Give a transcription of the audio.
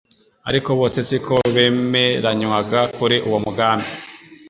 Ariko bose siko bemeranywaga kuri uwo mugambi